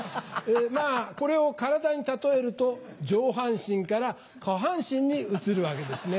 まぁこれを体に例えると上半身から下半身に移るわけですね。